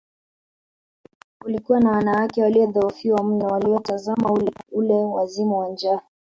Kulikuwa na wanawake waliodhoofiwa mno waliotazama ule wazimu wa njaa